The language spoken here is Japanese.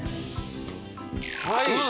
はい！